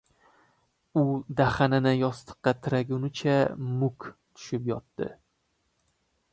U dahanini yostiqqa tiraganicha muk tushib yotdi.